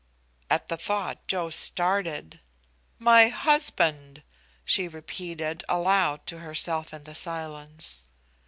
At the thought Joe started. "My husband!" she repeated aloud to herself in the silence.